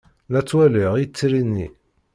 La ttwaliɣ itri-nni.